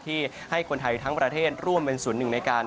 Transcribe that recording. ที่ให้คนไทยทั้งประเทศร่วมเป็นส่วนหนึ่งในการ